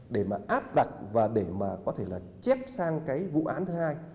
để mà áp đặt và để mà có thể là chép sang cái vụ án thứ hai